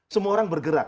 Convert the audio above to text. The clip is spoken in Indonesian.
semua orang bergerak